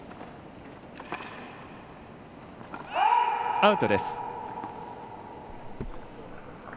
アウトです。